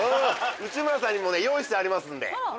内村さんにも用意してあります。